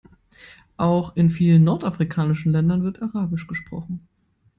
Auch in vielen nordafrikanischen Ländern wird arabisch gesprochen.